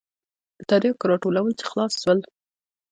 د ترياکو راټولول چې خلاص سول.